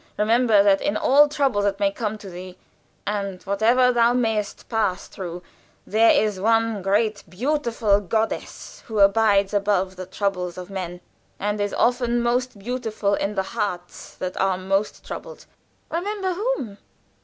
"Remember that in all troubles that may come to thee, and whatever thou mayst pass through, there is one great, beautiful goddess who abides above the troubles of men, and is often most beautiful in the hearts that are most troubled. Remember whom?"